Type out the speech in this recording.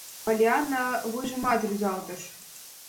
Поллианна вуйжымат рӱзалтыш.